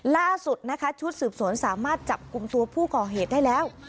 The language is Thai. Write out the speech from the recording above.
ล่าสุดนะคะชุดสืบสวนสามารถจับกลุ่มตัวผู้ก่อเหตุได้แล้ว